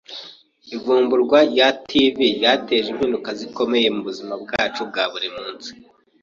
Ivumburwa rya TV ryateje impinduka zikomeye mubuzima bwacu bwa buri munsi.